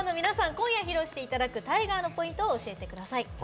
今夜、披露していただく「Ｔｉｇｅｒ」のポイントを教えてください。